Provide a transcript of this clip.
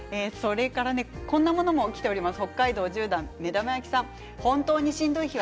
こんなものもきていますよ。